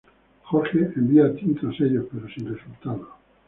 Jorge envía a Tim tras ellos, pero sin resultado.